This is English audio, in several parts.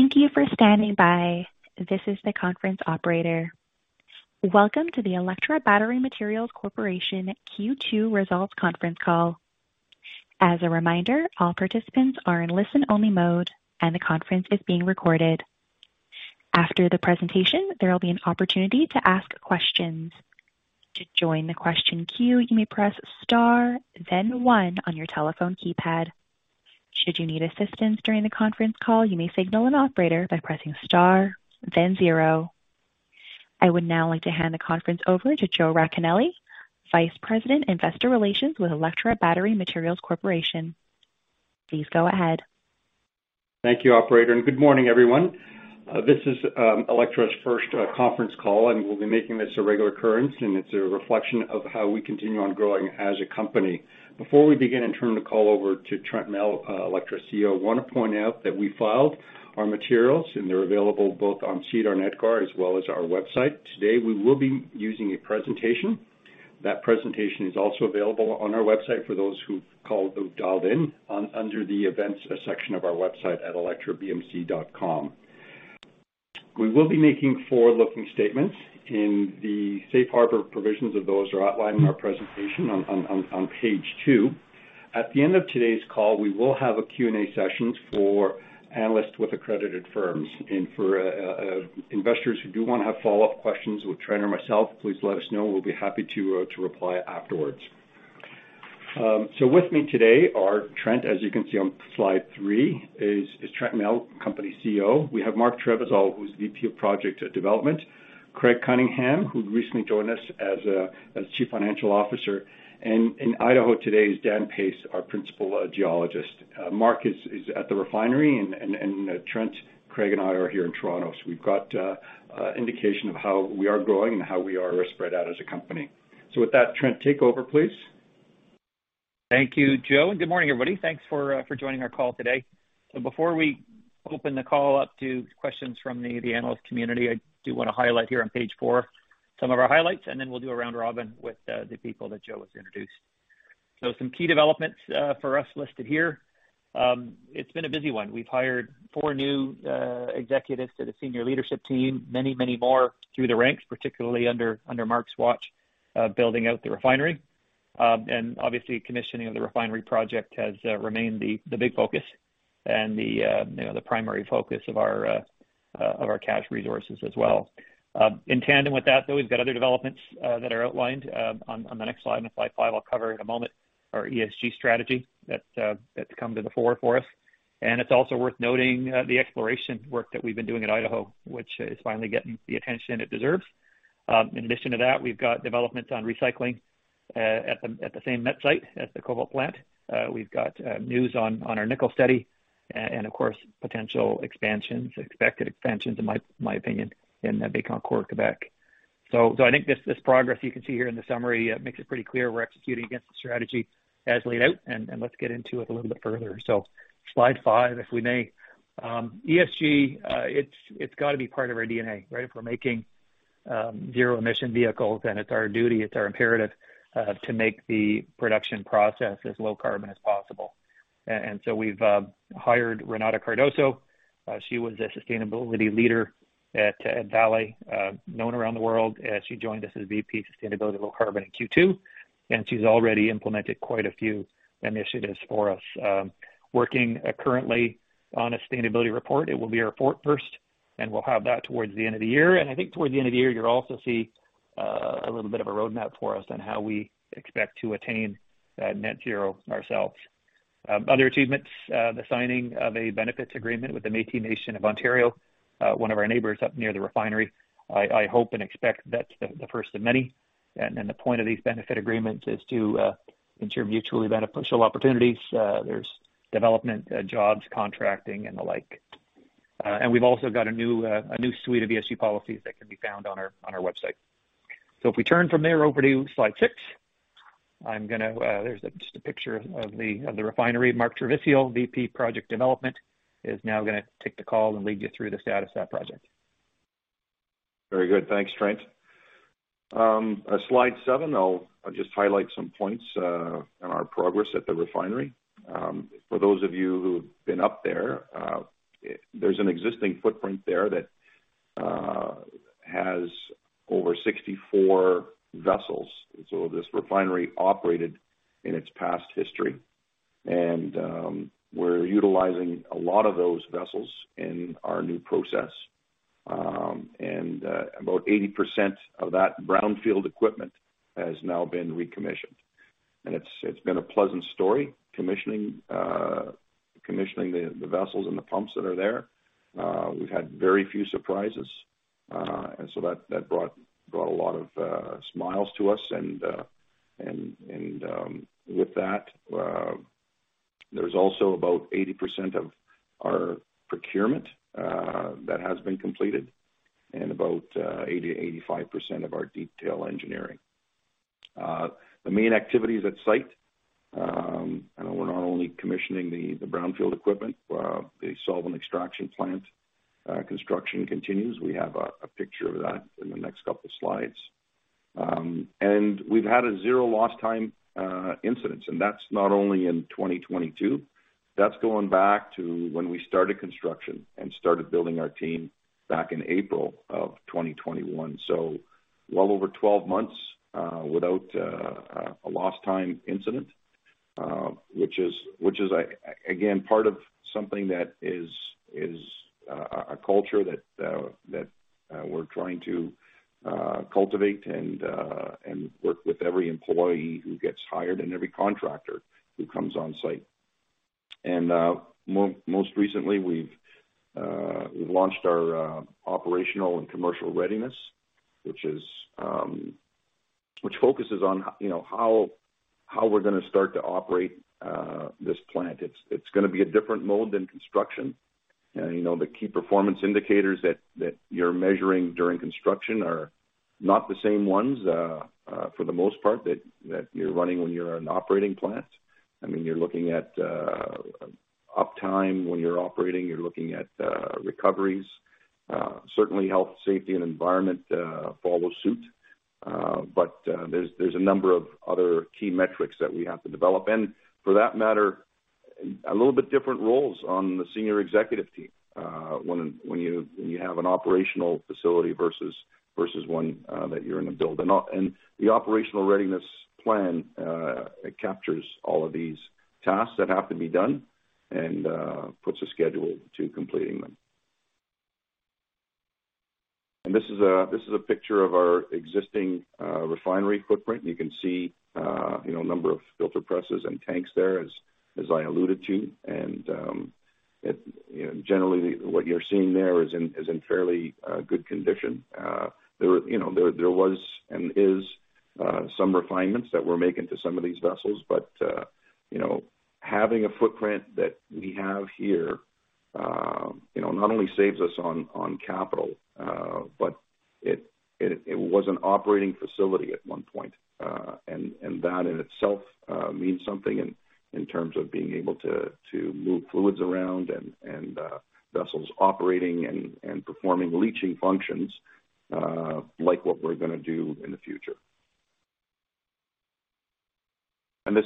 Thank you for standing by. This is the conference operator. Welcome to the Electra Battery Materials Corporation Q2 Results Conference Call. As a reminder, all participants are in listen-only mode, and the conference is being recorded. After the presentation, there will be an opportunity to ask questions. To join the question queue, you may press star then one on your telephone keypad. Should you need assistance during the conference call, you may signal an operator by pressing star then zero. I would now like to hand the conference over to Joe Racanelli, Vice President, Investor Relations with Electra Battery Materials Corporation. Please go ahead. Thank you, operator, and good morning, everyone. This is Electra's first conference call, and we'll be making this a regular occurrence, and it's a reflection of how we continue on growing as a company. Before we begin and turn the call over to Trent Mell, Electra's CEO, I wanna point out that we filed our materials, and they're available both on SEDAR and EDGAR as well as our website. Today, we will be using a presentation. That presentation is also available on our website for those who've called or dialed in under the Events section of our website at electrabmc.com. We will be making forward-looking statements, and the safe harbor provisions of those are outlined in our presentation on page two. At the end of today's call, we will have a Q&A session for analysts with accredited firms. For investors who do wanna have follow-up questions with Trent or myself, please let us know. We'll be happy to reply afterwards. With me today are Trent, as you can see on Slide 3, Trent Mell, company CEO. We have Mark Trevisiol, who's VP of Project Development, Craig Cunningham, who recently joined us as Chief Financial Officer, and in Idaho today is Dan Pace, our Principal Geologist. Mark is at the refinery and Trent, Craig, and I are here in Toronto. We've got indication of how we are growing and how we are spread out as a company. With that, Trent, take over, please. Thank you, Joe, and good morning, everybody. Thanks for joining our call today. Before we open the call up to questions from the analyst community, I do wanna highlight here on page 4 some of our highlights, and then we'll do a round robin with the people that Joe has introduced. Some key developments for us listed here. It's been a busy one. We've hired four new executives to the senior leadership team, many more through the ranks, particularly under Mark's watch, building out the refinery. And obviously, commissioning of the refinery project has remained the big focus and the, you know, the primary focus of our cash resources as well. In tandem with that, though, we've got other developments that are outlined on the next Slide 5. I'll cover in a moment our ESG strategy that's come to the fore for us. It's also worth noting the exploration work that we've been doing at Idaho, which is finally getting the attention it deserves. In addition to that, we've got developments on recycling at the same met site at the cobalt plant. We've got news on our nickel study and, of course, potential expansions, expected expansions, in my opinion, in Bécancour, Quebec. I think this progress you can see here in the summary makes it pretty clear we're executing against the strategy as laid out, and let's get into it a little bit further. Slide five, if we may. ESG, it's gotta be part of our DNA, right? If we're making zero emission vehicles, then it's our duty, it's our imperative to make the production process as low carbon as possible. We've hired Renata Cardoso. She was a sustainability leader at Vale, known around the world. She joined us as VP, Sustainability, Low Carbon in Q2, and she's already implemented quite a few initiatives for us. Working currently on a sustainability report. It will be our first, and we'll have that towards the end of the year. I think towards the end of the year, you'll also see a little bit of a roadmap for us on how we expect to attain that net zero ourselves. Other achievements, the signing of a benefits agreement with the Métis Nation of Ontario, one of our neighbors up near the refinery. I hope and expect that's the first of many. The point of these benefit agreements is to ensure mutually beneficial opportunities. There's development, jobs, contracting, and the like. We've also got a new suite of ESG policies that can be found on our website. If we turn from there over to Slide 6, there's just a picture of the refinery. Mark Trevisiol, VP Project Development, is now gonna take the call and lead you through the status of that project. Very good. Thanks, Trent. Slide 7, I'll just highlight some points on our progress at the refinery. For those of you who've been up there's an existing footprint there that has over 64 vessels. This refinery operated in its past history. We're utilizing a lot of those vessels in our new process. About 80% of that brownfield equipment has now been recommissioned. It's been a pleasant story commissioning the vessels and the pumps that are there. We've had very few surprises. That brought a lot of smiles to us. With that, there's also about 80% of our procurement that has been completed and about 80%-85% of our detail engineering. The main activities at site, I know we're not only commissioning the brownfield equipment, the solvent extraction plant, construction continues. We have a picture of that in the next couple of slides. We've had a zero lost time incidents. That's not only in 2022, that's going back to when we started construction and started building our team back in April of 2021. Well over 12 months without a lost time incident, which is, again, part of something that is a culture that we're trying to cultivate and work with every employee who gets hired and every contractor who comes on site. Most recently, we've launched our operational and commercial readiness, which focuses on, you know, how we're gonna start to operate this plant. It's gonna be a different mode than construction. You know, the key performance indicators that you're measuring during construction are not the same ones, for the most part, that you're running when you're an operating plant. I mean, you're looking at uptime when you're operating, you're looking at recoveries. Certainly health, safety, and environment follow suit. There's a number of other key metrics that we have to develop. For that matter, a little bit different roles on the senior executive team when you have an operational facility versus one that you're in a build. The operational readiness plan it captures all of these tasks that have to be done and puts a schedule to completing them. This is a picture of our existing refinery footprint. You can see, you know, a number of filter presses and tanks there, as I alluded to. Generally, what you're seeing there is in fairly good condition. You know, there was and is some refinements that we're making to some of these vessels. You know, having a footprint that we have here, you know, not only saves us on capital, but it was an operating facility at one point. That in itself means something in terms of being able to move fluids around and vessels operating and performing leaching functions like what we're gonna do in the future. This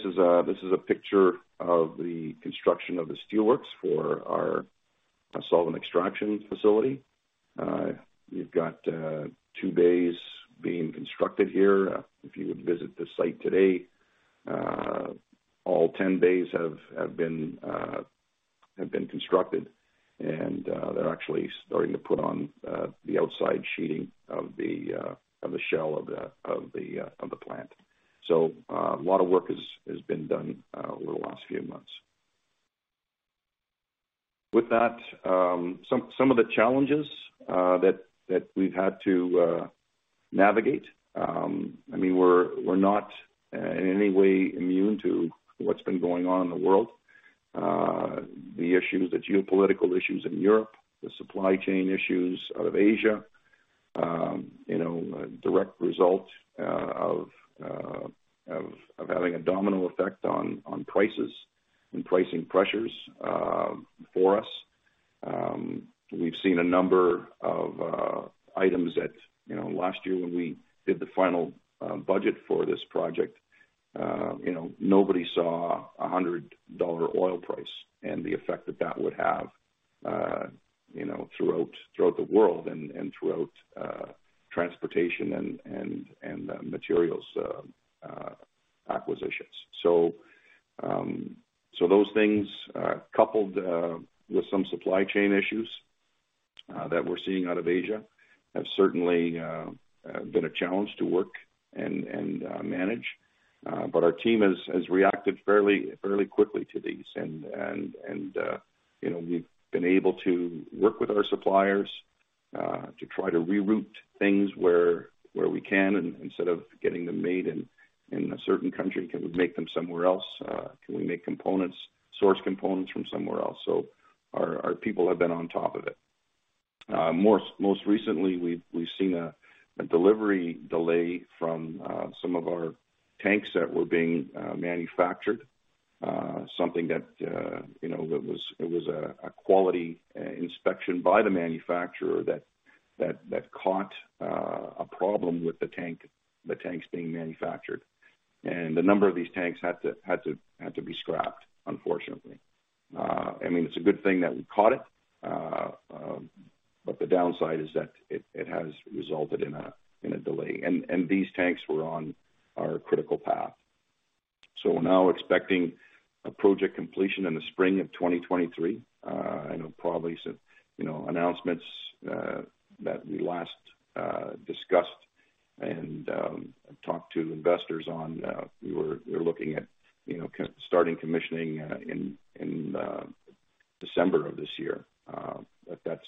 is a picture of the construction of the steelworks for our solvent extraction facility. You've got two bays being constructed here. If you would visit the site today, all 10 bays have been constructed, and they're actually starting to put on the outside sheeting of the shell of the plant. A lot of work has been done over the last few months. With that, some of the challenges that we've had to navigate. I mean, we're not in any way immune to what's been going on in the world. The issues, the geopolitical issues in Europe, the supply chain issues out of Asia, you know, a direct result of having a domino effect on prices and pricing pressures for us. We've seen a number of items that, you know, last year when we did the final budget for this project, you know, nobody saw a $100 oil price and the effect that that would have, you know, throughout the world and throughout transportation and materials acquisitions. Those things coupled with some supply chain issues that we're seeing out of Asia have certainly been a challenge to work and manage. Our team has reacted fairly quickly to these. You know, we've been able to work with our suppliers to try to reroute things where we can. Instead of getting them made in a certain country, can we make them somewhere else? Can we make components, source components from somewhere else? Our people have been on top of it. Most recently, we've seen a delivery delay from some of our tanks that were being manufactured. Something that, you know, was a quality inspection by the manufacturer that caught a problem with the tanks being manufactured. A number of these tanks had to be scrapped, unfortunately. I mean, it's a good thing that we caught it. The downside is that it has resulted in a delay. These tanks were on our critical path. We're now expecting a project completion in the spring of 2023. I know probably said, you know, announcements that we last discussed and talked to investors on, we're looking at, you know, starting commissioning in December of this year. But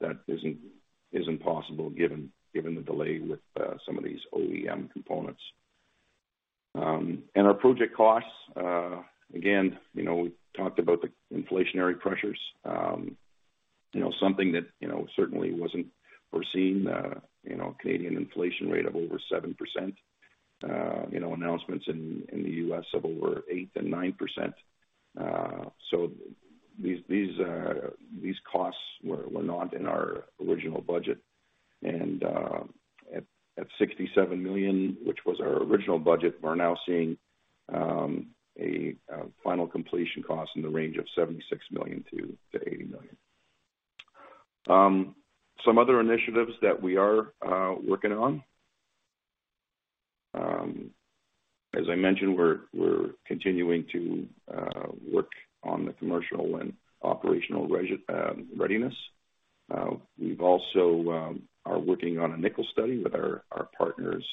that isn't possible given the delay with some of these OEM components. And our project costs, again, you know, we talked about the inflationary pressures. You know, something that, you know, certainly wasn't foreseen, Canadian inflation rate of over 7%. You know, announcements in the U.S. of over 8% and 9%. So these costs were not in our original budget. At $67 million, which was our original budget, we're now seeing a final completion cost in the range of $76 million-$80 million. Some other initiatives that we are working on. As I mentioned, we're continuing to work on the commercial and operational readiness. We've also are working on a nickel study with our partners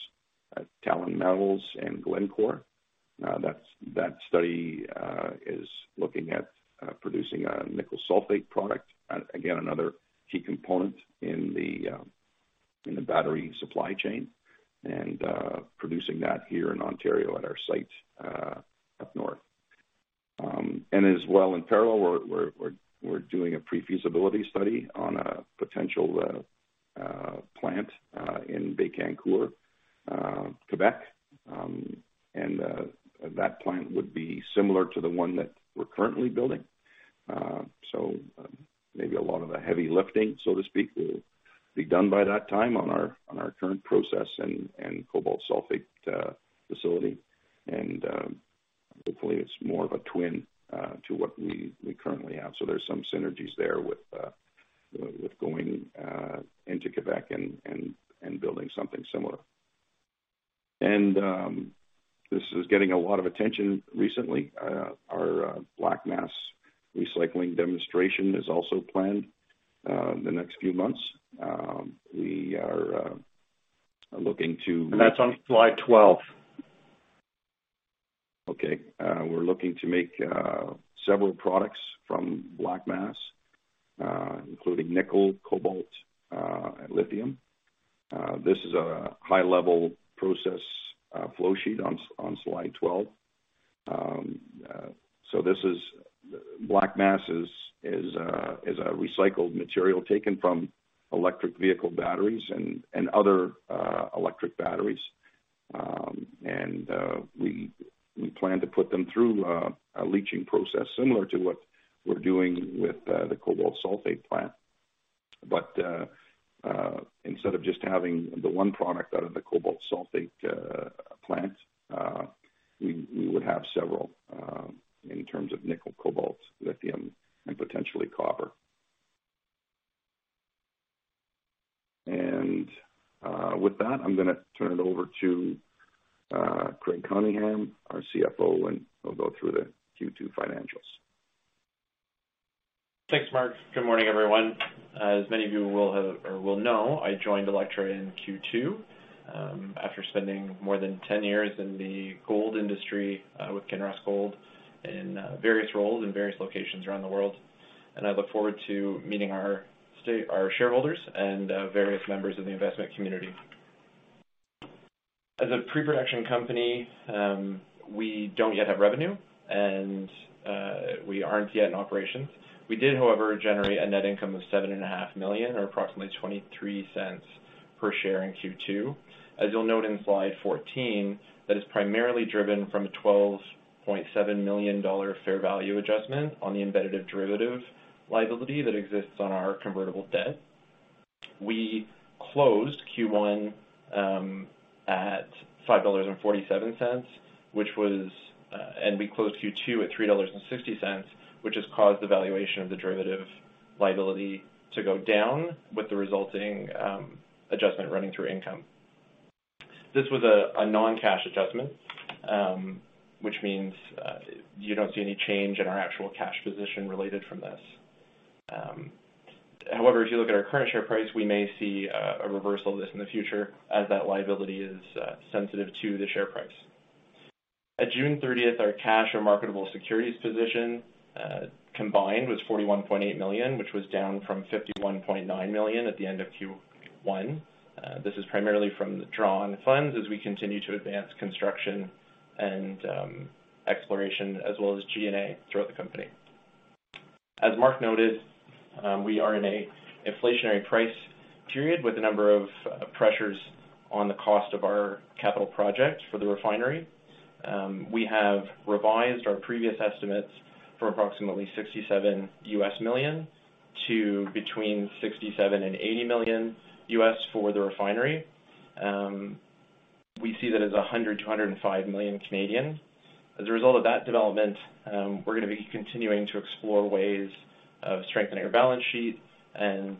at Talon Metals and Glencore. That study is looking at producing a nickel sulfate product. Again, another key component in the battery supply chain and producing that here in Ontario at our site up north. As well, in parallel, we're doing a pre-feasibility study on a potential plant in Bécancour, Quebec. That plant would be similar to the one that we're currently building. Maybe a lot of the heavy lifting, so to speak, will be done by that time on our current process and cobalt sulfate facility. Hopefully it's more of a twin to what we currently have. There's some synergies there with going into Quebec and building something similar. This is getting a lot of attention recently. Our black mass recycling demonstration is also planned in the next few months. That's on Slide 12. Okay. We're looking to make several products from black mass, including nickel, cobalt, and lithium. This is a high-level process flow sheet on Slide 12. This is black mass is a recycled material taken from electric vehicle batteries and other electric batteries. We plan to put them through a leaching process similar to what we're doing with the cobalt sulfate plant. Instead of just having the one product out of the cobalt sulfate plant, we would have several in terms of nickel, cobalt, lithium, and potentially copper. With that, I'm gonna turn it over to Craig Cunningham, our CFO, and he'll go through the Q2 financials. Thanks, Mark. Good morning, everyone. As many of you will have or will know, I joined Electra in Q2, after spending more than 10 years in the gold industry, with Kinross Gold in various roles in various locations around the world. I look forward to meeting our shareholders and various members of the investment community. As a pre-production company, we don't yet have revenue, and we aren't yet in operations. We did, however, generate a net income of 7.5 million, or approximately 0.23 per share in Q2. As you'll note in Slide 14, that is primarily driven from a 12.7 million-dollar fair value adjustment on the embedded derivative liability that exists on our convertible debt. We closed Q1 at CAD 5.47, which was. We closed Q2 at 3.60 dollars, which has caused the valuation of the derivative liability to go down with the resulting adjustment running through income. This was a non-cash adjustment, which means you don't see any change in our actual cash position related from this. However, if you look at our current share price, we may see a reversal of this in the future as that liability is sensitive to the share price. At June 30th, our cash or marketable securities position combined was 41.8 million, which was down from 51.9 million at the end of Q1. This is primarily from the draw on funds as we continue to advance construction and exploration, as well as G&A throughout the company. As Mark noted, we are in an inflationary price period with a number of pressures on the cost of our capital project for the refinery. We have revised our previous estimates from approximately $67 million to between $67 million and $80 million for the refinery. We see that as 100 million-105 million. As a result of that development, we're gonna be continuing to explore ways of strengthening our balance sheet and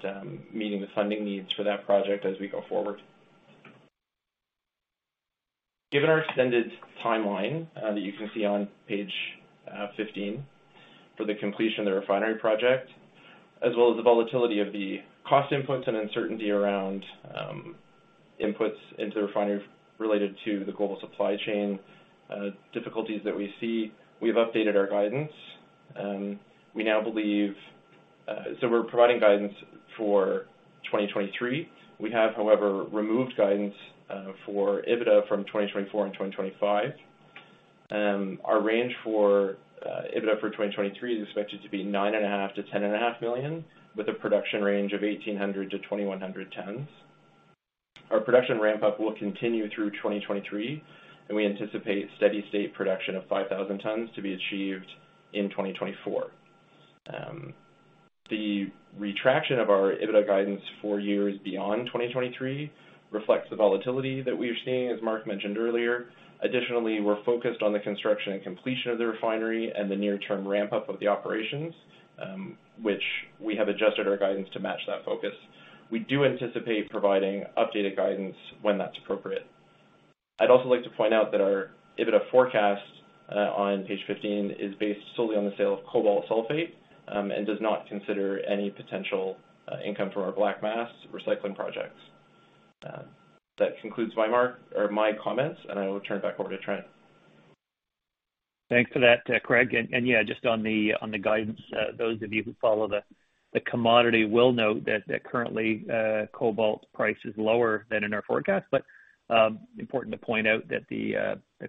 meeting the funding needs for that project as we go forward. Given our extended timeline that you can see on page 15 for the completion of the refinery project, as well as the volatility of the cost inputs and uncertainty around inputs into the refinery related to the global supply chain difficulties that we see, we've updated our guidance. We're providing guidance for 2023. We have, however, removed guidance for EBITDA from 2024 and 2025. Our range for EBITDA for 2023 is expected to be 9.5 million-10.5 million, with a production range of 1,800-2,100 tons. Our production ramp-up will continue through 2023, and we anticipate steady state production of 5,000 tons to be achieved in 2024. The retraction of our EBITDA guidance for years beyond 2023 reflects the volatility that we are seeing, as Mark mentioned earlier. Additionally, we're focused on the construction and completion of the refinery and the near-term ramp-up of the operations, which we have adjusted our guidance to match that focus. We do anticipate providing updated guidance when that's appropriate. I'd also like to point out that our EBITDA forecast on page 15 is based solely on the sale of cobalt sulfate, and does not consider any potential income from our black mass recycling projects. That concludes my comments, and I will turn it back over to Trent. Thanks for that, Craig. Yeah, just on the guidance, those of you who follow the commodity will note that currently cobalt price is lower than in our forecast. Important to point out that the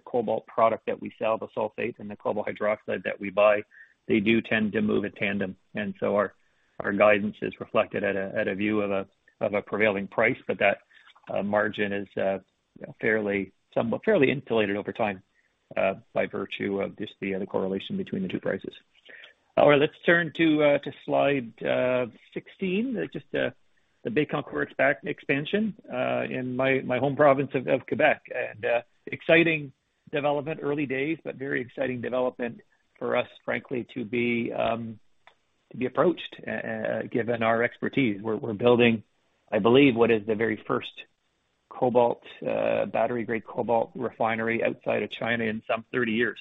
cobalt product that we sell, the sulfate, and the cobalt hydroxide that we buy, they do tend to move in tandem. Our guidance is reflected at a view of a prevailing price. That margin is, you know, somewhat fairly insulated over time by virtue of just the correlation between the two prices. All right, let's turn to Slide 16. Just the Bécancour expansion in my home province of Québec. Exciting development, early days, but very exciting development for us, frankly, to be approached given our expertise. We're building, I believe, what is the very first cobalt battery-grade cobalt refinery outside of China in some 30 years.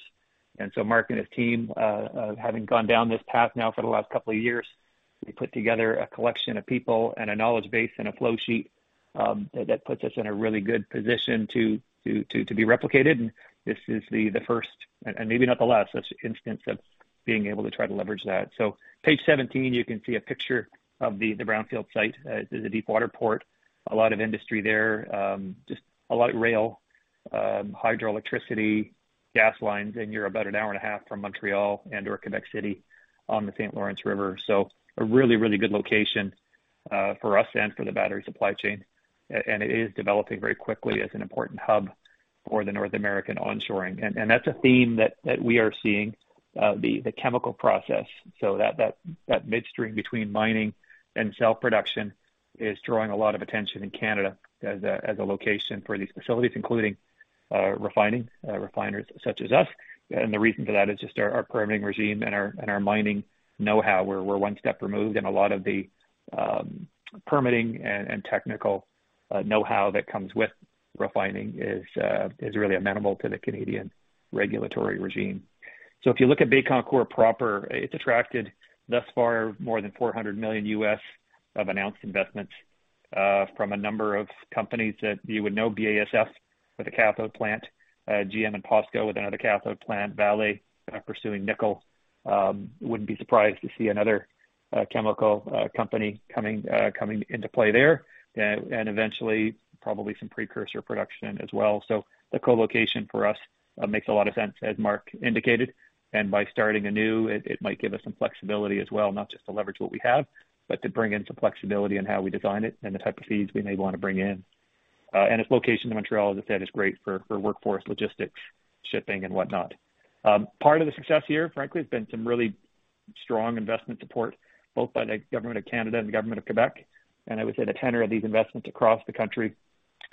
Mark and his team, having gone down this path now for the last couple of years, they put together a collection of people and a knowledge base and a flow sheet that puts us in a really good position to be replicated. This is the first, and maybe not the last instance of being able to try to leverage that. Page 17, you can see a picture of the brownfield site. There's a deep water port, a lot of industry there, just a lot of rail, hydroelectricity, gas lines, and you're about an hour and a half from Montreal and/or Quebec City on the St. Lawrence River. A really good location for us and for the battery supply chain. It is developing very quickly as an important hub for the North American onshoring. That's a theme that we are seeing, the chemical process. Midstream between mining and cell production is drawing a lot of attention in Canada as a location for these facilities, including refining, refiners such as us. The reason for that is just our permitting regime and our mining know-how. We're one step removed, and a lot of the permitting and technical know-how that comes with refining is really amenable to the Canadian regulatory regime. If you look at Bécancour proper, it's attracted thus far more than $400 million of announced investments from a number of companies that you would know. BASF with a cathode plant, GM and POSCO with another cathode plant, Vale pursuing nickel. Wouldn't be surprised to see another chemical company coming into play there, and eventually probably some precursor production as well. The co-location for us makes a lot of sense, as Mark indicated. By starting anew, it might give us some flexibility as well, not just to leverage what we have, but to bring in some flexibility on how we design it and the type of feeds we may wanna bring in. Its location in Montreal, as I said, is great for workforce logistics, shipping and whatnot. Part of the success here, frankly, has been some really strong investment support both by the government of Canada and the government of Quebec. I would say the tenor of these investments across the country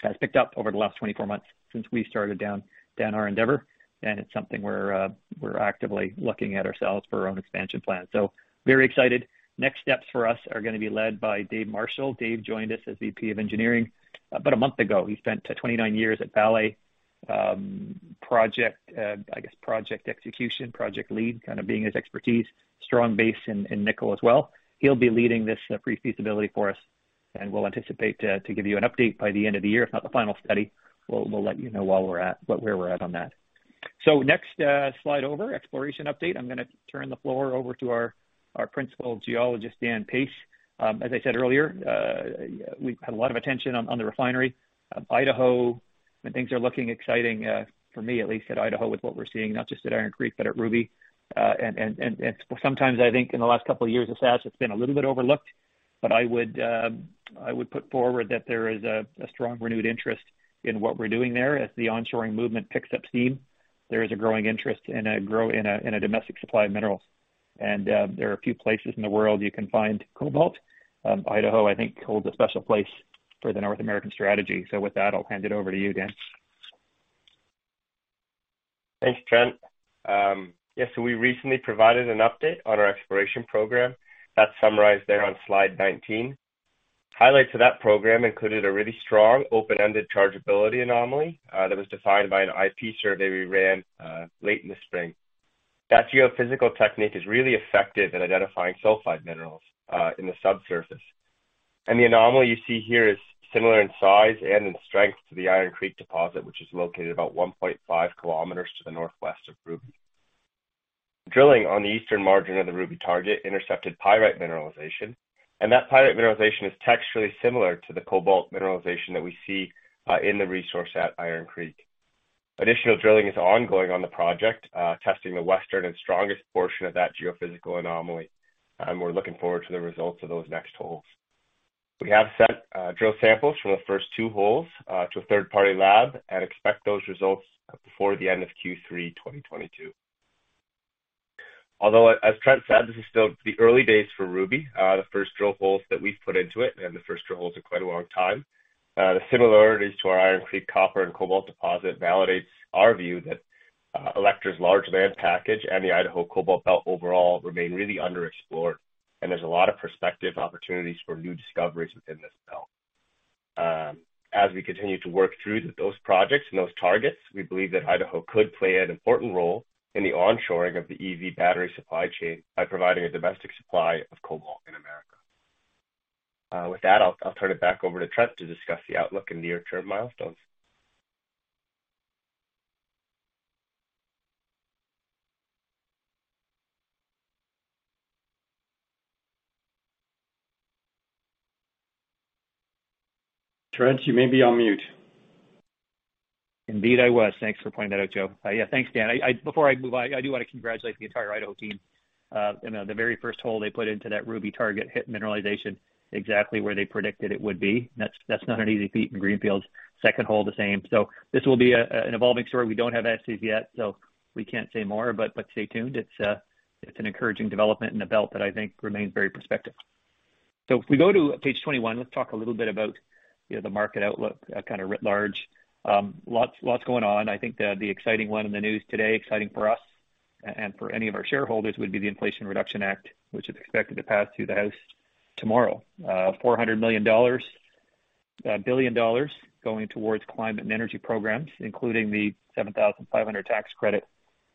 has picked up over the last 24 months since we started down our endeavor. It's something we're actively looking at ourselves for our own expansion plans. Very excited. Next steps for us are gonna be led by Dave Marshall. Dave joined us as VP of Engineering about a month ago. He spent 29 years at Vale, project execution, project lead, kind of being his expertise. Strong base in nickel as well. He'll be leading this pre-feasibility for us, and we'll anticipate to give you an update by the end of the year. If not the final study, we'll let you know where we're at on that. Next slide over exploration update. I'm gonna turn the floor over to our Principal Geologist, Dan Pace. As I said earlier, we've had a lot of attention on the refinery. Idaho and things are looking exciting for me at least at Idaho with what we're seeing, not just at Iron Creek, but at Ruby. Sometimes I think in the last couple of years of SaaS, it's been a little bit overlooked, but I would put forward that there is a strong renewed interest in what we're doing there. As the onshoring movement picks up steam, there is a growing interest in a domestic supply of minerals. There are a few places in the world you can find cobalt. Idaho, I think, holds a special place for the North American strategy. With that, I'll hand it over to you, Dan. Thanks, Trent. Yes, we recently provided an update on our exploration program. That's summarized there on Slide 19. Highlights of that program included a really strong open-ended chargeability anomaly that was defined by an IP survey we ran late in the spring. That geophysical technique is really effective at identifying sulfide minerals in the subsurface. The anomaly you see here is similar in size and in strength to the Iron Creek deposit, which is located about 1.5 km to the northwest of Ruby. Drilling on the eastern margin of the Ruby target intercepted pyrite mineralization, and that pyrite mineralization is texturally similar to the cobalt mineralization that we see in the resource at Iron Creek. Additional drilling is ongoing on the project, testing the western and strongest portion of that geophysical anomaly, and we're looking forward to the results of those next holes. We have sent drill samples from the first two holes to a third-party lab and expect those results before the end of Q3 2022. Although, as Trent said, this is still the early days for Ruby. The first drill holes that we've put into it, and the first drill holes in quite a long time. The similarities to our Iron Creek copper and cobalt deposit validates our view that Electra's large land package and the Idaho Cobalt Belt overall remain really underexplored. There's a lot of prospective opportunities for new discoveries within this belt. As we continue to work through those projects and those targets, we believe that Idaho could play an important role in the onshoring of the EV battery supply chain by providing a domestic supply of cobalt in America. With that, I'll turn it back over to Trent to discuss the outlook and near-term milestones. Trent, you may be on mute. Indeed, I was. Thanks for pointing that out, Joe. Thanks, Dan. Before I move on, I do wanna congratulate the entire Idaho team. You know, the very first hole they put into that Ruby target hit mineralization exactly where they predicted it would be. That's not an easy feat in greenfields. Second hole, the same. This will be an evolving story. We don't have assays yet, so we can't say more, but stay tuned. It's an encouraging development in a belt that I think remains very prospective. If we go to page 21, let's talk a little bit about, you know, the market outlook, kind of writ large. Lots going on. I think the exciting one in the news today, exciting for us and for any of our shareholders, would be the Inflation Reduction Act, which is expected to pass through the House tomorrow. $400 billion going towards climate and energy programs, including the $7,500 tax credit.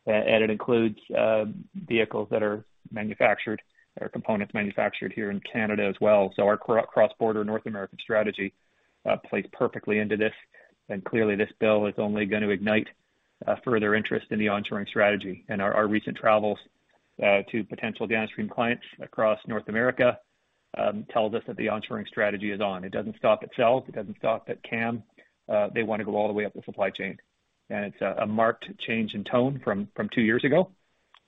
It includes vehicles that are manufactured or components manufactured here in Canada as well. Our cross-border North American strategy plays perfectly into this. Clearly this bill is only gonna ignite further interest in the onshoring strategy. Our recent travels to potential downstream clients across North America tells us that the onshoring strategy is on. It doesn't stop at cells, it doesn't stop at CAM. They wanna go all the way up the supply chain. It's a marked change in tone from two years ago,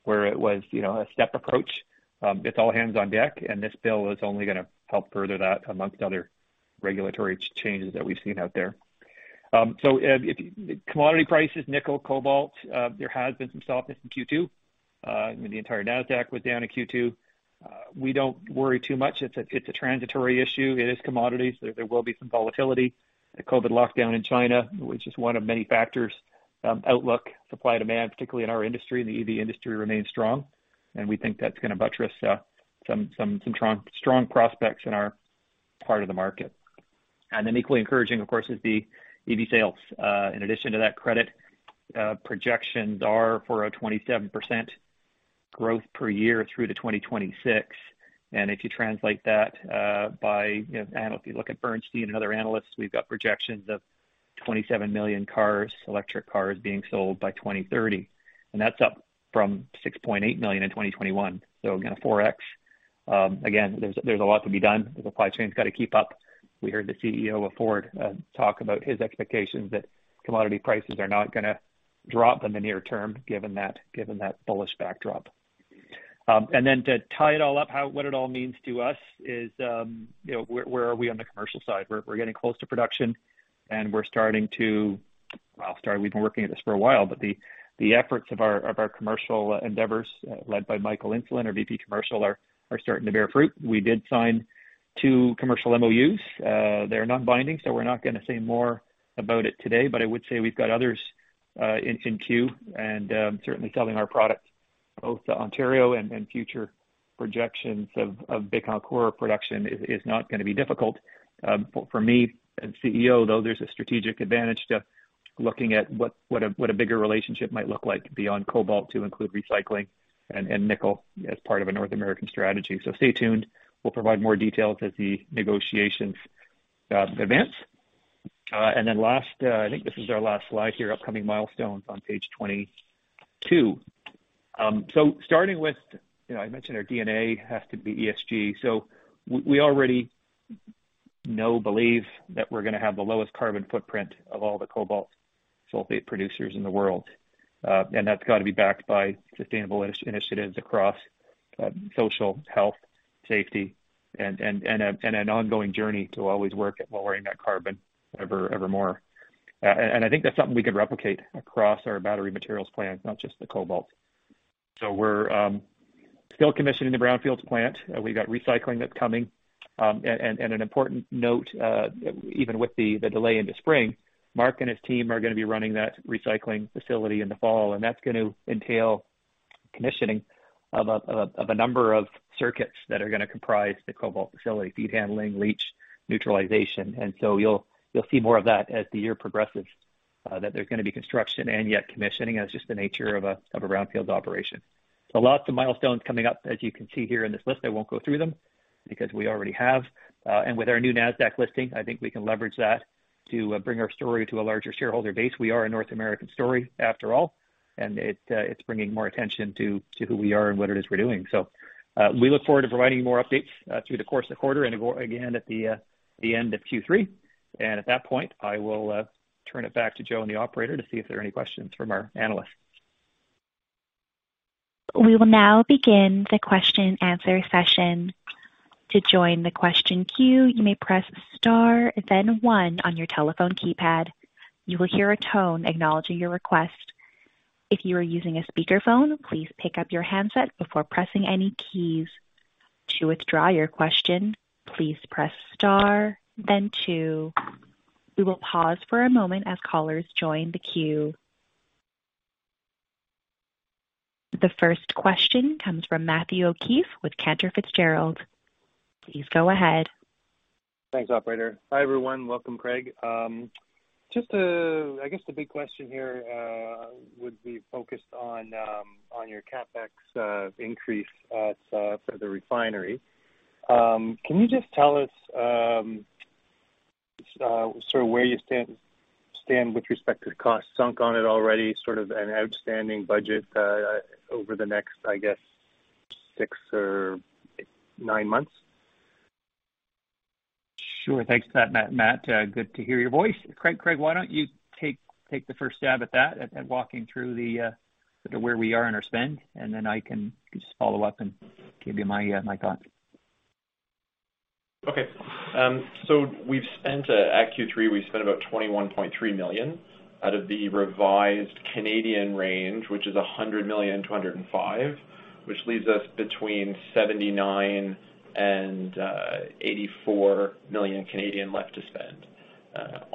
where it was, you know, a step approach. It's all hands on deck, and this bill is only gonna help further that among other regulatory changes that we've seen out there. Commodity prices, nickel, cobalt, there has been some softness in Q2. I mean, the entire Nasdaq was down in Q2. We don't worry too much. It's a transitory issue. It is commodities. There will be some volatility. The COVID lockdown in China, which is one of many factors, outlook, supply, demand, particularly in our industry and the EV industry, remains strong, and we think that's gonna buttress some strong prospects in our part of the market. Then equally encouraging, of course, is the EV sales. In addition to that credit, projections are for 27% growth per year through to 2026. If you translate that, by, you know, if you look at Bernstein and other analysts, we've got projections of 27 million cars, electric cars being sold by 2030, and that's up from 6.8 million in 2021. Again, a 4x. Again, there's a lot to be done. The supply chain's gotta keep up. We heard the CEO of Ford talk about his expectations that commodity prices are not gonna drop in the near term, given that bullish backdrop. To tie it all up, what it all means to us is, you know, where are we on the commercial side? We're getting close to production and we're starting to. We've been working at this for a while, but the efforts of our commercial endeavors, led by Michael Insulan, our VP Commercial, are starting to bear fruit. We did sign two commercial MOUs. They're non-binding, so we're not gonna say more about it today, but I would say we've got others in queue and certainly selling our product both to Ontario and future projections of Bécancour production is not gonna be difficult. For me as CEO, though, there's a strategic advantage to looking at what a bigger relationship might look like beyond cobalt to include recycling and nickel as part of a North American strategy. Stay tuned. We'll provide more details as the negotiations advance. Last, I think this is our last slide here, upcoming milestones on page 22. Starting with, you know, I mentioned our DNA has to be ESG. We already know, believe that we're gonna have the lowest carbon footprint of all the cobalt sulfate producers in the world. That's got to be backed by sustainable initiatives across social, health, safety, and an ongoing journey to always work at lowering that carbon ever more. I think that's something we could replicate across our battery materials plants, not just the cobalt. We're still commissioning the brownfields plant. We've got recycling that's coming. An important note, even with the delay into spring, Mark and his team are gonna be running that recycling facility in the fall, and that's going to entail commissioning of a number of circuits that are gonna comprise the cobalt facility, feed handling, leach, neutralization. You'll see more of that as the year progresses, that there's gonna be construction and yet commissioning. That's just the nature of a brownfields operation. Lots of milestones coming up, as you can see here in this list. I won't go through them because we already have. With our new Nasdaq listing, I think we can leverage that to bring our story to a larger shareholder base. We are a North American story after all, and it's bringing more attention to who we are and what it is we're doing. We look forward to providing more updates through the course of the quarter and again at the end of Q3. At that point, I will turn it back to Joe and the operator to see if there are any questions from our analysts. We will now begin the question-answer session. To join the question queue, you may press star then one on your telephone keypad. You will hear a tone acknowledging your request. If you are using a speakerphone, please pick up your handset before pressing any keys. To withdraw your question, please press star then two. We will pause for a moment as callers join the queue. The first question comes from Matthew O'Keefe with Cantor Fitzgerald. Please go ahead. Thanks, operator. Hi, everyone. Welcome, Craig. I guess the big question here would be focused on your CapEx increase for the refinery. Can you just tell us sort of where you stand with respect to costs sunk on it already, sort of an outstanding budget over the next, I guess, six or nine months? Sure. Thanks for that, Matt. Good to hear your voice. Craig, why don't you take the first stab at that, walking through where we are in our spend, and then I can just follow up and give you my thoughts. Okay. We've spent at Q3 about 21.3 million out of the revised Canadian range, which is 100 million-105 million, which leaves us between 79 million and 84 million left to spend. At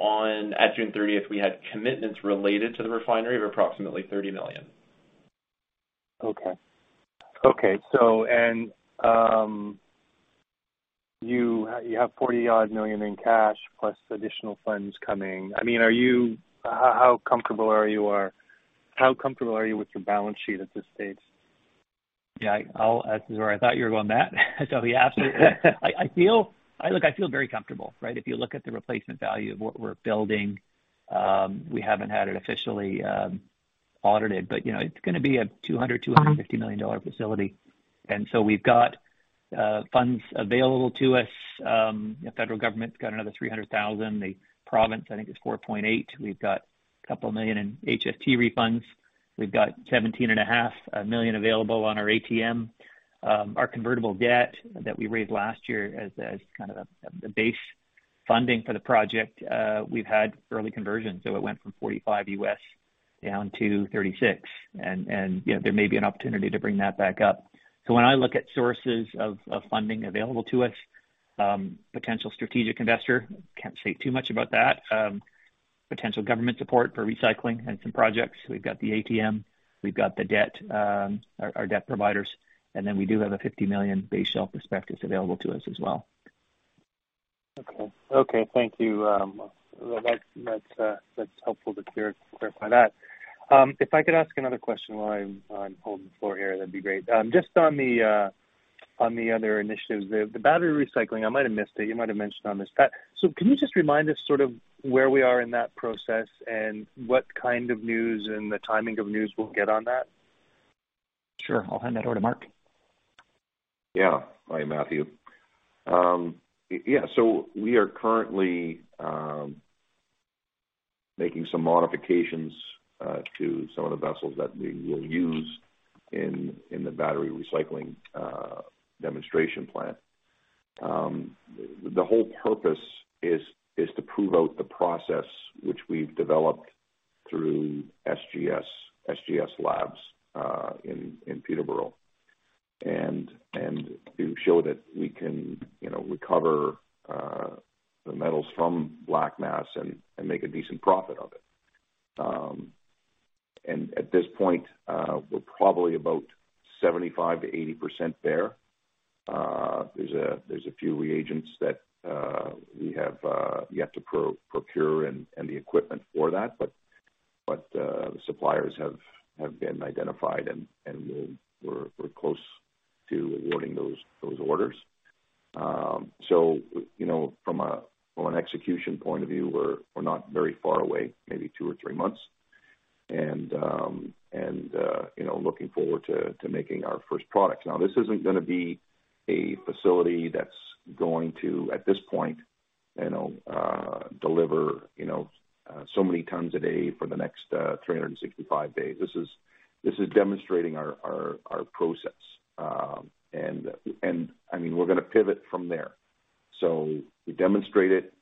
June thirtieth, we had commitments related to the refinery of approximately CAD 30 million. You have 40-odd million in cash plus additional funds coming. I mean, how comfortable are you with your balance sheet at this stage? This is where I thought you were going, Matt. Yeah, absolutely. Look, I feel very comfortable, right? If you look at the replacement value of what we're building, we haven't had it officially audited, but you know, it's gonna be a 250 million dollar facility. We've got funds available to us. The federal government's got another 300,000. The province, I think, is 4.8 million. We've got a couple million in HST refunds. We've got 17.5 million available on our ATM. Our convertible debt that we raised last year as kind of the base funding for the project, we've had early conversions. It went from $45 million down to $36 million. You know, there may be an opportunity to bring that back up. When I look at sources of funding available to us, potential strategic investor. Can't say too much about that. Potential government support for recycling and some projects. We've got the ATM, we've got the debt, our debt providers, and then we do have a 50 million base shelf prospectus available to us as well. Okay, thank you. Well, that's helpful to clarify that. If I could ask another question while I'm holding the floor here, that'd be great. Just on the other initiatives, the battery recycling, I might have missed it. You might have mentioned on this. Can you just remind us sort of where we are in that process and what kind of news and the timing of news we'll get on that? Sure. I'll hand that over to Mark. Yeah. Hi, Matthew. Yeah. We are currently making some modifications to some of the vessels that we will use in the battery recycling demonstration plant. The whole purpose is to prove out the process which we've developed through SGS Labs in Peterborough and to show that we can, you know, recover the metals from black mass and make a decent profit of it. At this point, we're probably about 75%-80% there. There's a few reagents that we have yet to procure and the equipment for that, but the suppliers have been identified and we're close to awarding those orders. You know, from an execution point of view, we're not very far away, maybe two or three months. You know, looking forward to making our first product. Now, this isn't gonna be a facility that's going to, at this point, you know, deliver so many tons a day for the next 365 days. This is demonstrating our process. I mean, we're gonna pivot from there. We demonstrate it.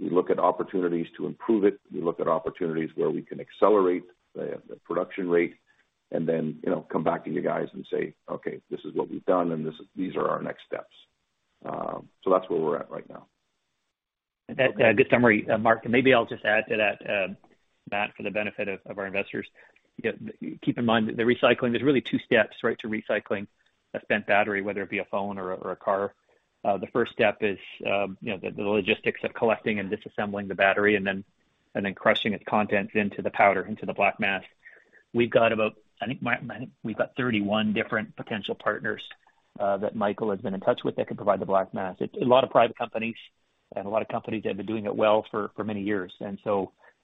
We look at opportunities to improve it. We look at opportunities where we can accelerate the production rate and then, you know, come back to you guys and say, "Okay, this is what we've done, and these are our next steps." That's where we're at right now. A good summary, Mark, and maybe I'll just add to that, Matt, for the benefit of our investors. You know, keep in mind the recycling, there's really two steps, right? To recycling a spent battery, whether it be a phone or a car. The first step is, you know, the logistics of collecting and disassembling the battery and then crushing its contents into the powder, into the black mass. We've got about, I think, we've got 31 different potential partners that Michael has been in touch with that can provide the black mass. It's a lot of private companies and a lot of companies that have been doing it well for many years.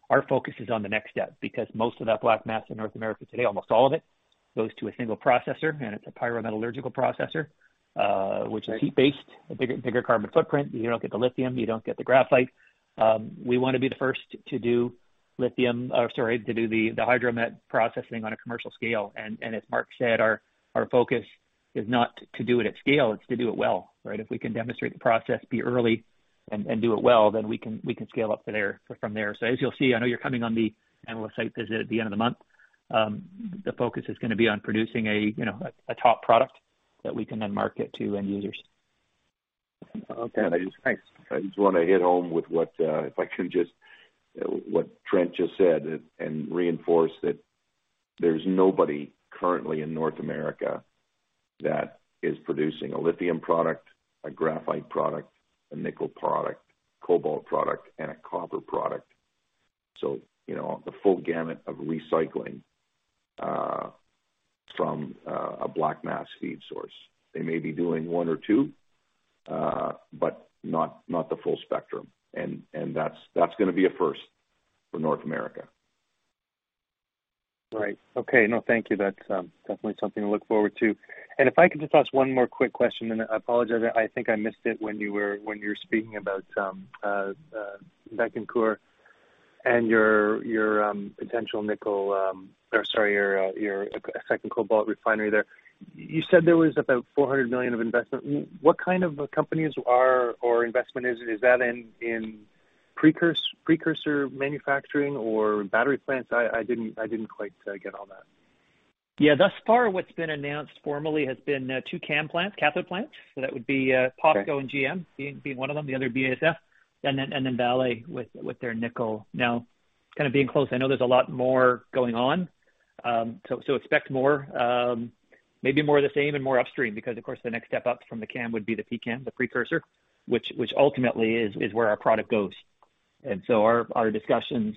Our focus is on the next step, because most of that black mass in North America today, almost all of it, goes to a single processor, and it's a pyrometallurgical processor, which is heat-based, a bigger carbon footprint. You don't get the lithium, you don't get the graphite. We wanna be the first to do lithium or sorry, to do the hydrometallurgy processing on a commercial scale. As Mark said, our focus is not to do it at scale, it's to do it well, right? If we can demonstrate the process, be early and do it well, then we can scale up from there. As you'll see, I know you're coming on the analyst site visit at the end of the month, the focus is gonna be on producing a, you know, a top product that we can then market to end users. Okay, thanks. I just wanna hit home with what Trent just said and reinforce that there's nobody currently in North America that is producing a lithium product, a graphite product, a nickel product, cobalt product, and a copper product. You know, the full gamut of recycling from a black mass feed source. They may be doing one or two, but not the full spectrum. That's gonna be a first for North America. Right. Okay. No, thank you. That's definitely something to look forward to. If I could just ask one more quick question, and I apologize, I think I missed it when you were speaking about Bécancour and your potential nickel. Or sorry, your second cobalt refinery there. You said there was about 400 million of investment. What kind of companies are or investment is. Is that in precursor manufacturing or battery plants? I didn't quite get all that. Yeah. Thus far, what's been announced formally has been two CAM plants, cathode plants. That would be POSCO and GM being one of them, the other BASF, and then Vale with their nickel. Now, kind of being close, I know there's a lot more going on. Expect more, maybe more the same and more upstream because of course the next step up from the CAM would be the pCAM, the precursor, which ultimately is where our product goes. Our discussions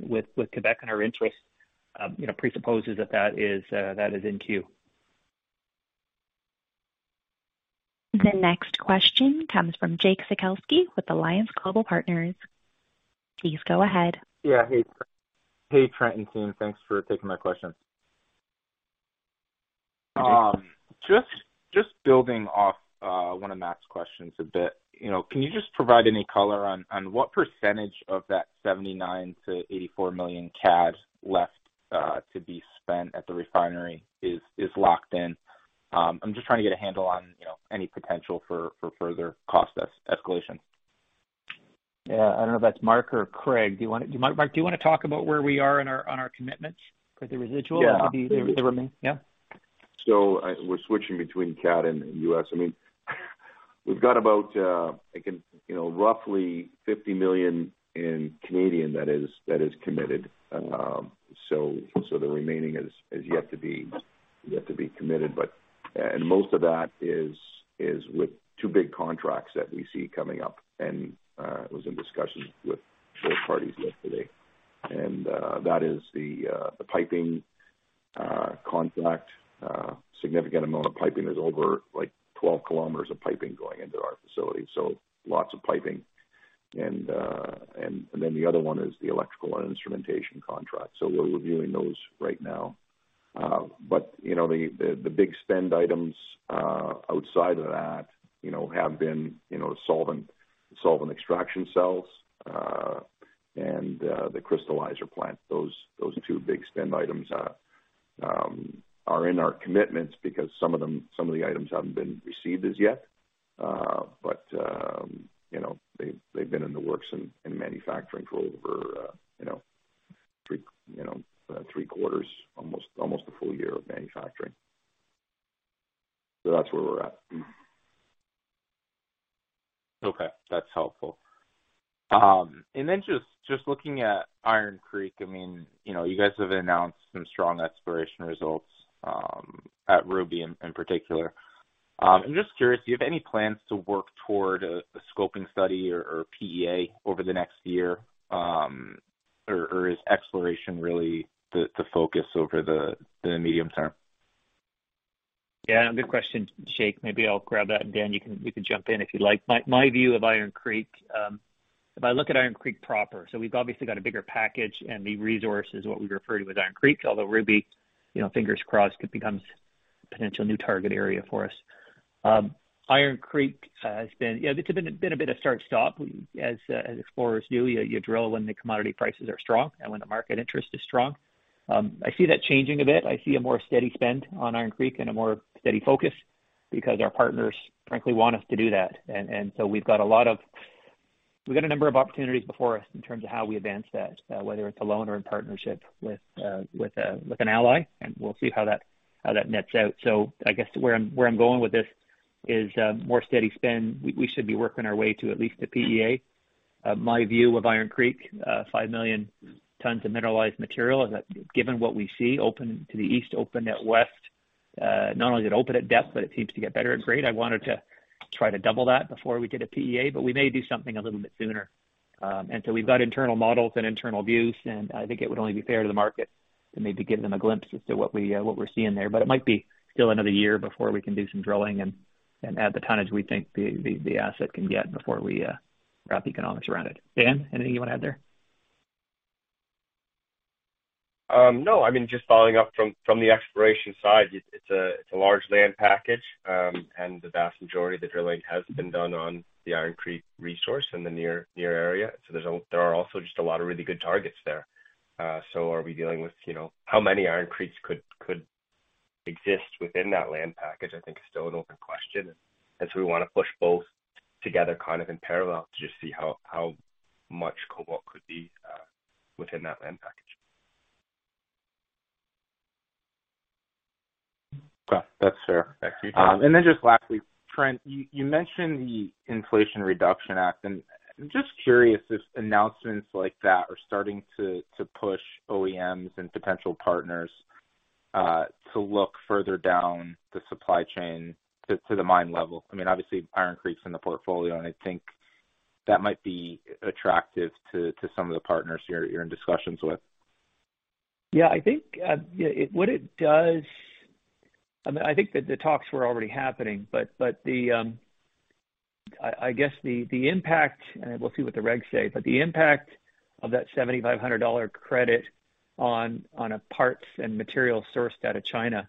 with Quebec and our interest presupposes that is in queue. The next question comes from Jake Sekelsky with Alliance Global Partners. Please go ahead. Yeah. Hey, Trent and team. Thanks for taking my question. Hey, Jake. Just building off one of Matt's questions a bit. You know, can you just provide any color on what percentage of that 79 million-84 million CAD left to be spent at the refinery is locked in? I'm just trying to get a handle on, you know, any potential for further cost escalation. Yeah. I don't know if that's Mark or Craig. Mark, do you wanna talk about where we are on our commitments with the residual? Yeah. Yeah. We're switching between CAD and U.S. I mean, we've got about, I can, you know, roughly 50 million in Canadian that is committed. The remaining is yet to be committed. But most of that is with two big contracts that we see coming up, and it was in discussion with both parties yesterday. That is the piping contract. Significant amount of piping. There's over, like 12 km of piping going into our facility, so lots of piping. And then the other one is the electrical and instrumentation contract. We're reviewing those right now. But you know, the big spend items outside of that, you know, have been, you know, solvent extraction cells, and the crystallizer plant. Those two big spend items are in our commitments because some of the items haven't been received as yet. But you know, they've been in the works in manufacturing for over three quarters, almost a full year of manufacturing. That's where we're at. Okay. That's helpful. Just looking at Iron Creek, I mean, you know, you guys have announced some strong exploration results at Ruby in particular. I'm just curious, do you have any plans to work toward a scoping study or PEA over the next year? Is exploration really the focus over the medium term? Yeah, good question, Jake Maybe I'll grab that, and Dan, you can jump in if you'd like. My view of Iron Creek, if I look at Iron Creek proper, so we've obviously got a bigger package, and the resource is what we refer to as Iron Creek, although Ruby, you know, fingers crossed, could become a potential new target area for us. Iron Creek has been. Yeah, it's been a bit of start stop as explorers do. You drill when the commodity prices are strong and when the market interest is strong. I see that changing a bit. I see a more steady spend on Iron Creek and a more steady focus because our partners frankly want us to do that. And so we've got a lot of. We've got a number of opportunities before us in terms of how we advance that, whether it's alone or in partnership with an ally, and we'll see how that nets out. I guess where I'm going with this is more steady spend. We should be working our way to at least the PEA. My view of Iron Creek, 5 million tons of mineralized material is that given what we see, open to the east, open to the west. Not only did it open at depth, but it seems to get better and greater. I wanted to try to double that before we did a PEA, but we may do something a little bit sooner. We've got internal models and internal views, and I think it would only be fair to the market to maybe give them a glimpse as to what we're seeing there. But it might be still another year before we can do some drilling and add the tonnage we think the asset can get before we wrap economics around it. Dan, anything you wanna add there? No. I mean, just following up from the exploration side, it's a large land package, and the vast majority of the drilling has been done on the Iron Creek resource in the near area. There are also just a lot of really good targets there. So are we dealing with, you know, how many Iron Creeks could exist within that land package, I think is still an open question. We wanna push both together kind of in parallel to just see how much cobalt could be within that land package. Well, that's fair. Thank you. Just lastly, Trent, you mentioned the Inflation Reduction Act, and I'm just curious if announcements like that are starting to push OEMs and potential partners to look further down the supply chain to the mine level. I mean, obviously Iron Creek's in the portfolio, and I think that might be attractive to some of the partners you're in discussions with. I mean, I think that the talks were already happening, but the impact, and we'll see what the regs say, but the impact of that $7,500 credit on parts and materials sourced out of China,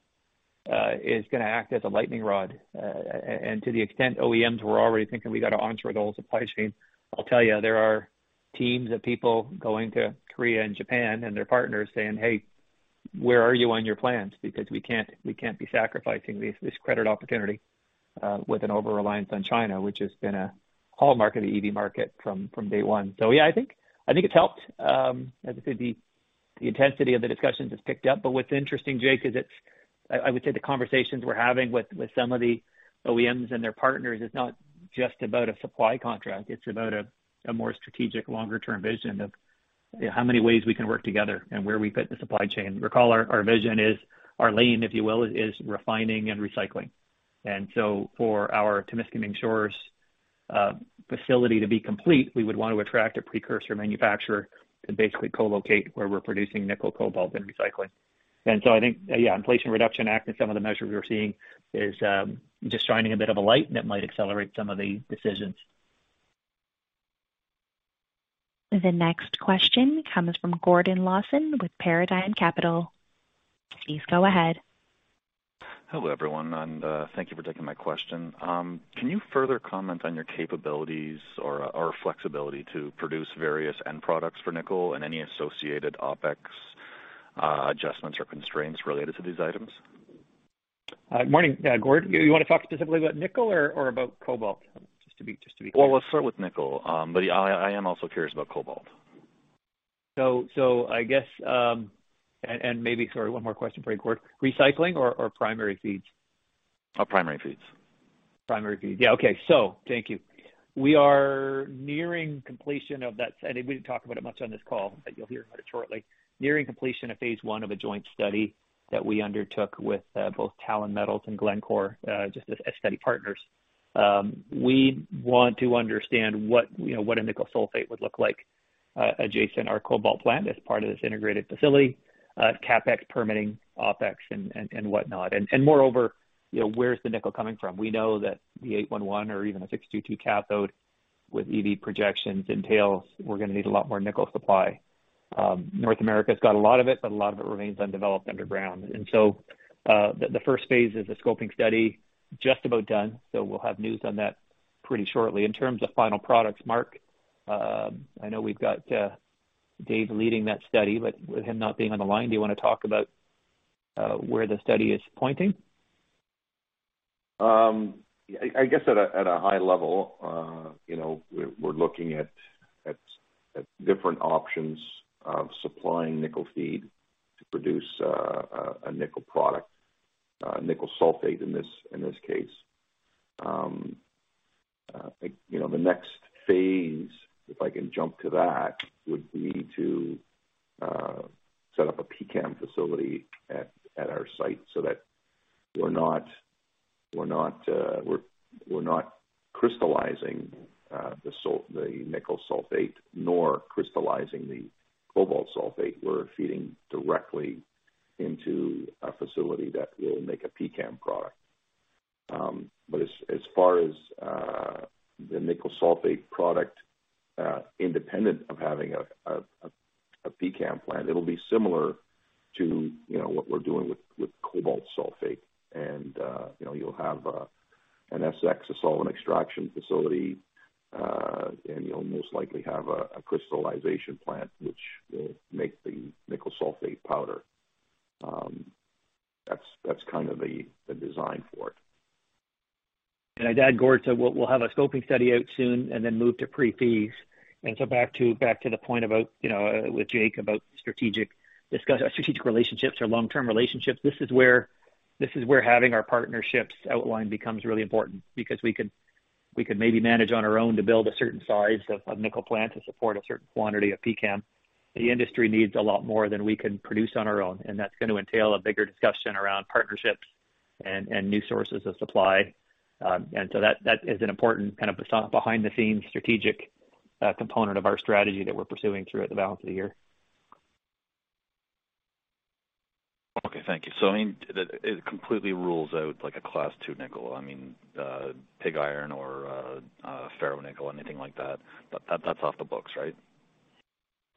is gonna act as a lightning rod. To the extent OEMs were already thinking, "We gotta onshore the whole supply chain," I'll tell you, there are teams of people going to Korea and Japan and their partners saying, "Hey, where are you on your plans? Because we can't be sacrificing this credit opportunity with an over-reliance on China," which has been a hallmark of the EV market from day one. Yeah, I think it's helped. As I said, the intensity of the discussions has picked up. What's interesting, Jake, is I would say the conversations we're having with some of the OEMs and their partners is not just about a supply contract. It's about a more strategic longer-term vision of how many ways we can work together and where we fit in the supply chain. Recall our vision is our lane, if you will, is refining and recycling. For our Temiskaming Shores facility to be complete, we would want to attract a precursor manufacturer to basically co-locate where we're producing nickel, cobalt, and recycling. I think, yeah, Inflation Reduction Act and some of the measures we're seeing is just shining a bit of a light, and it might accelerate some of the decisions. The next question comes from Gordon Lawson with Paradigm Capital. Please go ahead. Hello, everyone, and thank you for taking my question. Can you further comment on your capabilities or flexibility to produce various end products for nickel and any associated OpEx adjustments or constraints related to these items? Morning, Gord. You wanna talk specifically about nickel or about cobalt? Just to be clear. Well, let's start with nickel. Yeah, I am also curious about cobalt. I guess maybe, sorry, one more question for you, Gordon. Recycling or primary feeds? Primary feeds. Primary feeds. Yeah, okay. Thank you. We are nearing completion of that. We didn't talk about it much on this call, but you'll hear about it shortly. Nearing completion of phase one of a joint study that we undertook with both Talon Metals and Glencore, just as study partners. We want to understand what a nickel sulfate would look like adjacent our cobalt plant as part of this integrated facility, CapEx, permitting, OpEx, and whatnot. Moreover, where's the nickel coming from? We know that the 811 or even a 622 cathode with EV projections entails we're gonna need a lot more nickel supply. North America's got a lot of it, but a lot of it remains undeveloped underground. The first phase is a scoping study just about done, so we'll have news on that pretty shortly. In terms of final products, Mark, I know we've got Dave leading that study, but with him not being on the line, do you wanna talk about where the study is pointing? I guess at a high level, you know, we're looking at different options of supplying nickel feed to produce a nickel product, nickel sulfate in this case. You know, the next phase, if I can jump to that, would be to set up a pCAM facility at our site so that we're not crystallizing the nickel sulfate nor crystallizing the cobalt sulfate. We're feeding directly into a facility that will make a pCAM product. As far as the nickel sulfate product, independent of having a pCAM plant, it'll be similar to, you know, what we're doing with cobalt sulfate. You know, you'll have an SX, a solvent extraction facility, and you'll most likely have a crystallization plant which will make the nickel sulfate powder. That's kind of the design for it. Can I add, Gord? We'll have a scoping study out soon and then move to pre-feasibility. Back to the point about, you know, with Jake about strategic relationships or long-term relationships, this is where having our partnerships outlined becomes really important because we could maybe manage on our own to build a certain size of a nickel plant to support a certain quantity of pCAM. The industry needs a lot more than we can produce on our own, and that's gonna entail a bigger discussion around partnerships and new sources of supply. That is an important kind of behind-the-scenes strategic component of our strategy that we're pursuing throughout the balance of the year. Okay. Thank you. I mean, it completely rules out like a Class 2 nickel, I mean, pig iron or ferronickel, anything like that. That's off the books, right?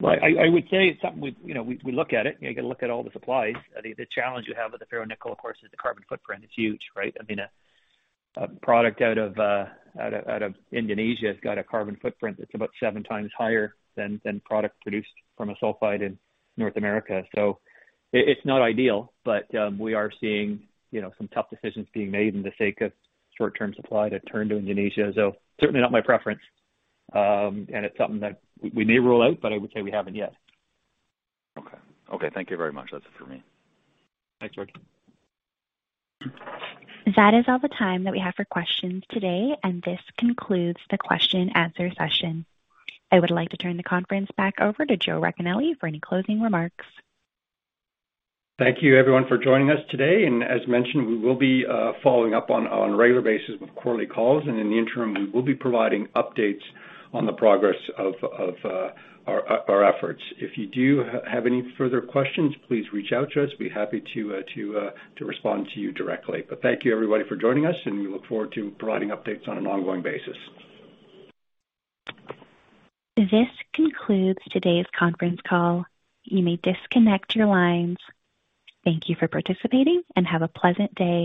Well, I would say it's something we've you know we look at it. You know, you gotta look at all the supplies. I think the challenge we have with the ferronickel, of course, is the carbon footprint. It's huge, right? I mean, a product out of Indonesia has got a carbon footprint that's about seven times higher than product produced from a sulfide in North America. It's not ideal, but we are seeing you know some tough decisions being made for the sake of short-term supply to turn to Indonesia. Certainly not my preference. It's something that we may rule out, but I would say we haven't yet. Okay. Thank you very much. That's it for me. Thanks, Gord. That is all the time that we have for questions today, and this concludes the question and answer session. I would like to turn the conference back over to Joe Racanelli for any closing remarks. Thank you, everyone, for joining us today. As mentioned, we will be following up on a regular basis with quarterly calls, and in the interim, we will be providing updates on the progress of our efforts. If you do have any further questions, please reach out to us. We'd be happy to respond to you directly. Thank you, everybody, for joining us, and we look forward to providing updates on an ongoing basis. This concludes today's conference call. You may disconnect your lines. Thank you for participating, and have a pleasant day.